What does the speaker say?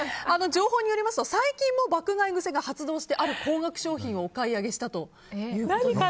情報によりますと最近も爆買い癖が発動してある高額商品をお買い上げしたと。